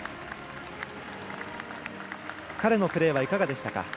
彼のプレーはいかがでしたか。